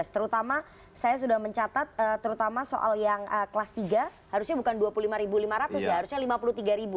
terutama saya sudah mencatat terutama soal yang kelas tiga harusnya bukan dua puluh lima lima ratus ya harusnya rp lima puluh tiga